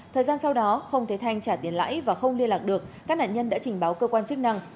thời gian sau đó không thấy thanh trả tiền lãi và không liên lạc được các nạn nhân đã trình báo cơ quan chức năng